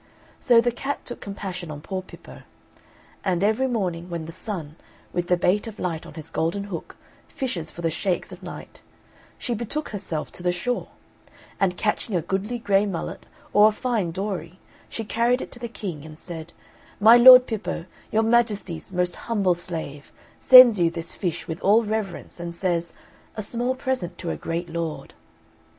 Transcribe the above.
So the cat took compassion on poor Pippo; and, every morning, when the Sun, with the bait of light on his golden hook, fishes for the shakes of Night, she betook herself to the shore, and catching a goodly grey mullet or a fine dory, she carried it to the King and said, "My Lord Pippo, your Majesty's most humble slave, sends you this fish with all reverence, and says, A small present to a great lord.'"